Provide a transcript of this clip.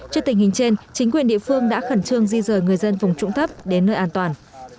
trước tình hình trên chính quyền địa phương đã khẩn trương di rời người dân vùng trũng thấp đến nơi an toàn